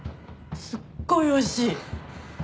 すっごいおいしい。